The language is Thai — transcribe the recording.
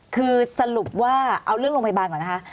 คือสรุปว่าเอาเรื่องโรงพยาบาลก่อนนะคะ